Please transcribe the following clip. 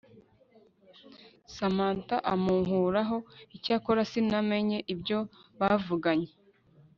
Samantha amunkuraho icyakora sinamenye ibyo bavuganye